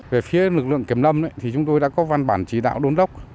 về phía lực lượng kiểm lâm thì chúng tôi đã có văn bản chỉ đạo đôn đốc